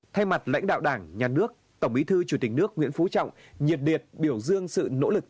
thay mặt lãnh đạo đảng nhà nước tổng bí thư chủ tịch nước nguyễn phú trọng nhiệt liệt biểu dương sự nỗ lực